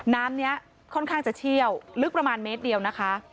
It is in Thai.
น้ำนี้ค่อนข้างจะเชี่ยวลึกประมาณเมตรเดียวนะคะ